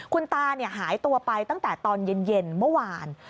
คุณตาหายตัวไปตั้งแต่ตอนเย็นเมื่อวาน